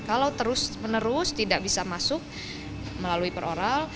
kalau terus menerus tidak bisa masuk melalui peroral